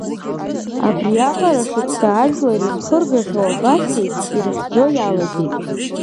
Абриаҟара шықәса ажәлар ирхыргахьоу абасеиԥш ирыхьӡо иалагеит.